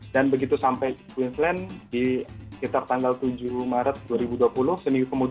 dan begitu sampai queensland di sekitar tanggal tujuh maret dua ribu dua puluh